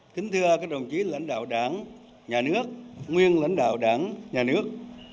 kính thưa các đồng chí lãnh đạo đảng nhà nước nguyên lãnh đạo đảng nhà nước